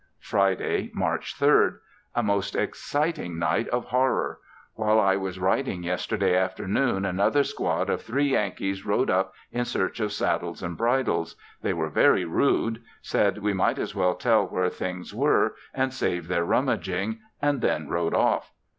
Friday, March 3rd. A most exciting night of horror! While I was writing yesterday afternoon another squad of three Yankees rode up in search of saddles and bridles. They were very rude; said we might as well tell where things were and save their rummaging, and then rode off.